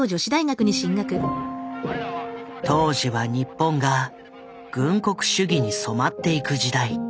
当時は日本が軍国主義に染まっていく時代。